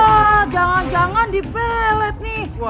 wah jangan jangan dipelet nih